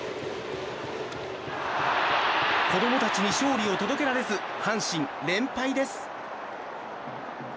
子供たちに勝利を届けられず阪神、連敗です。